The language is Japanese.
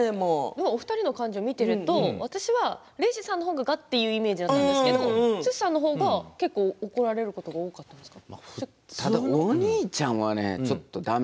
２人の感じを見ていると私は礼二さん方ががっと言うイメージだったんですけれども剛さんの方が怒られることが多かったんですか。